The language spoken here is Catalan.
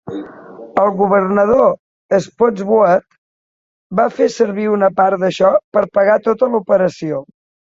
El Governador Spotswood va fer servir una part d'això per pagar tota la operació.